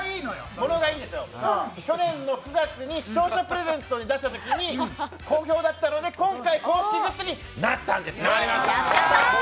物がいいんですよ、去年の９月に視聴者プレゼントで出したときに公表だったので今回公式グッズになったんですね。